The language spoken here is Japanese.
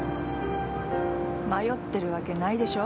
迷ってるわけないでしょ。